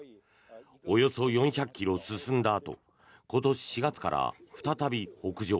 およそ４００ｋｍ進んだあと今年４月から再び北上。